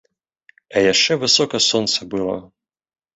А яшчэ высока сонца было.